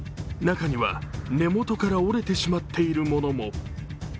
中には根元から折れてしまっているものも。